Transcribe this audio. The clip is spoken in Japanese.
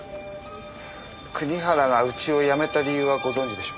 国原がうちを辞めた理由はご存じでしょうか？